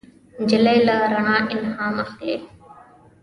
نجلۍ له رڼا الهام اخلي.